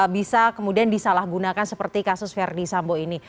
bisa kemudian disalahgunakan seperti kasus verdi sambo ini